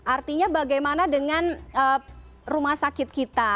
artinya bagaimana dengan rumah sakit kita